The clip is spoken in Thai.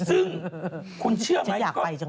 ซึ่งคุณเชื่อไหม